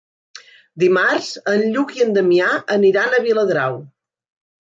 Dimarts en Lluc i en Damià aniran a Viladrau.